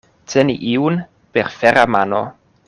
Teni iun per fera mano.